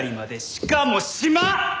しかも島！